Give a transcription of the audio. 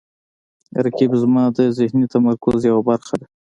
رقیب زما د ذهني تمرکز یوه برخه ده